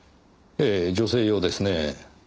ええ女性用ですね。